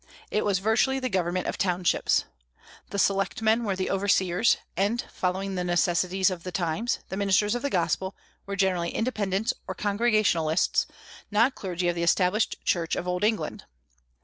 It was virtually the government of townships. The selectmen were the overseers; and, following the necessities of the times, the ministers of the gospel were generally Independents or Congregationalists, not clergy of the Established Church of Old England.